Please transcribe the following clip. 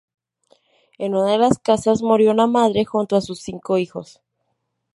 En una de las casas, murió una madre junto a sus cinco hijos.